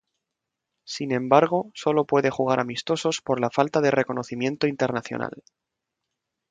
Sin embargo, solo puede jugar amistosos por la falta de reconocimiento internacional.